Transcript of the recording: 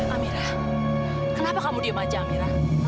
amirah kenapa kamu diam saja amirah